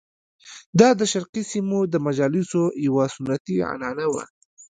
دا د شرقي سیمو د مجالسو یوه سنتي عنعنه وه.